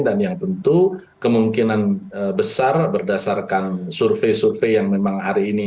dan yang tentu kemungkinan besar berdasarkan survei survei yang memang hari ini